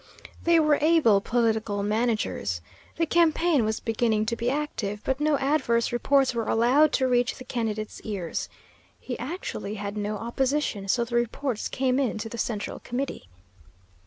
They were able political managers. The campaign was beginning to be active, but no adverse reports were allowed to reach the candidate's ears. He actually had no opposition, so the reports came in to the central committee.